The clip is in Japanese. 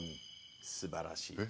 すばらしい。